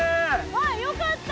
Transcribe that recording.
あっよかった！